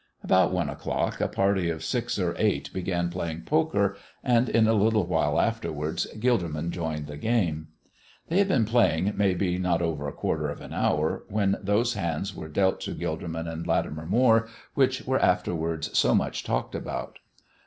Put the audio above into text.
About one o'clock a party of six or eight began playing poker, and in a little while afterwards Gilderman joined the game. They had been playing maybe not over a quarter of an hour when those hands were dealt to Gilderman and Latimer Moire which were afterwards so much talked about.